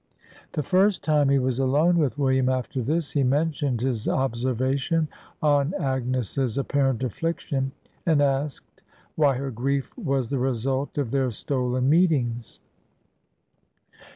The first time he was alone with William after this, he mentioned his observation on Agnes's apparent affliction, and asked "why her grief was the result of their stolen meetings."